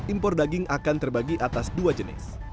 impor daging akan terbagi atas dua jenis